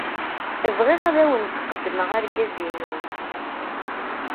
Bɣiɣ ad awen-d-qeddmeɣ argaz-inu.